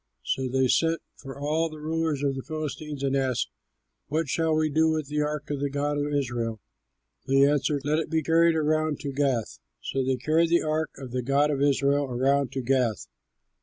So they sent for all the rulers of the Philistines and asked, "What shall we do with the ark of the god of Israel?" They answered, "Let it be carried around to Gath." So they carried the ark of the God of Israel around to Gath.